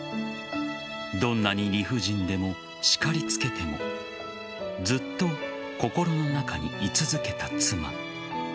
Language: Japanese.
どんなに理不尽でもしかりつけてもずっと心の中に居続けた妻。